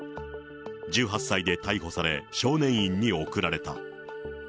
１８歳で逮捕され、少年院に送られた。